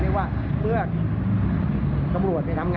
ตามหรือแต่ละหวายอ้าง